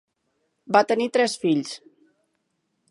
Va tenir tres fills: